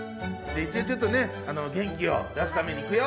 一応ちょっとね元気を出すためにいくよ。